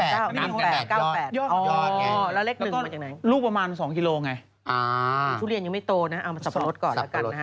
ยอดไงแล้วเลขหนึ่งมันจากไหนอ๋อแล้วก็ลูกประมาณ๒กิโลไงชุเรียนยังไม่โตนะเอามาสับประลดก่อนละกันนะฮะ